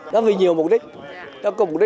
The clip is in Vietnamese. cũng như không thể đi đường đi